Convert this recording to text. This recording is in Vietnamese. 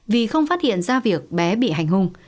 vì không phát hiện ra việc bé bị hành hung